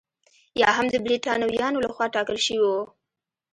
یا هم د برېټانویانو لخوا ټاکل شوي وو.